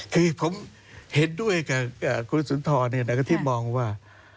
คือผมเห็นด้วยกับคุณสุนทรที่มองว่า